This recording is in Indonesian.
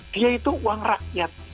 dia itu uang rakyat